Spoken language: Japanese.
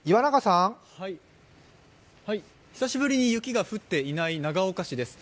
久しぶりに雪が降っていない長岡市です。